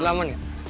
lu aman gak